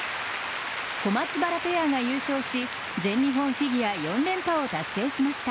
小松原ペアが優勝し全日本フィギュア４連覇を達成しました。